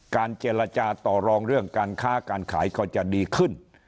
เจรจาต่อรองเรื่องการค้าการขายก็จะดีขึ้น